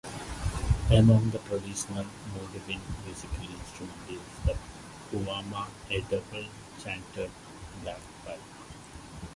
Among the traditional Mordvin musical instruments is the "puvama", a double-chantered bagpipe.